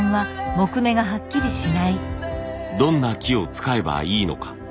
どんな木を使えばいいのか。